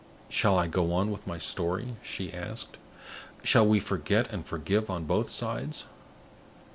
"Shall I go on with my story?" she asked. "Shall we forget and forgive on both sides?"